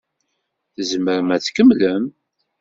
Tzemrem ad tkemmlem?